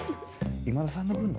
今田さんの分の？